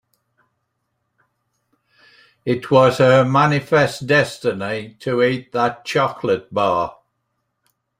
It was her manifest destiny to eat that chocolate bar.